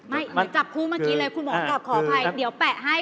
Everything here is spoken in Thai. ไม่อย่าจับคู้เมื่อกี้เลยคุณหมอกลับขออภัย